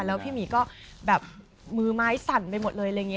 แล้วพี่หมีก็แบบมือไม้สั่นไปหมดเลยอะไรอย่างนี้